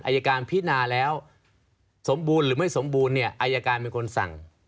อายการพินาแล้วสมบูรณ์หรือไม่สมบูรณ์เนี่ยอายการเป็นคนสั่ง